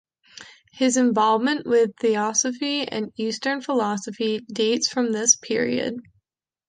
His involvement with theosophy and Eastern philosophy dates from this period.